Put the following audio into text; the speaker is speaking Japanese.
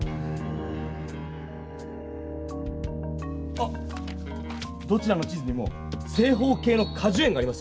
あっどちらの地図にも正方形のかじゅ園がありますよ。